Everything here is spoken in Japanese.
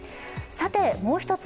もう一つ